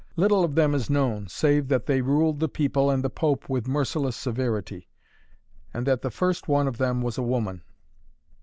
Little of them is known, save that they ruled the people and the pope with merciless severity, and that the first one of them was a woman.